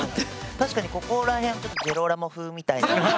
確かにここらへんジローラモ風みたいな。